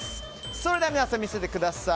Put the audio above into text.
それでは皆さん見せてください。